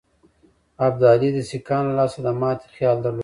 ابدالي د سیکهانو له لاسه د ماتي خیال درلود.